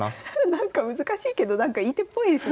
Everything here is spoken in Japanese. なんか難しいけどなんかいい手っぽいですね。